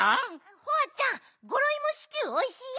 ホワちゃんゴロいもシチューおいしいよ。